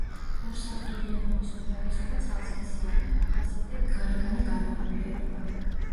ორსაგდულიანების უმრავლესობა ცალსქესიანია, ახასიათებთ გარეგანი განაყოფიერება.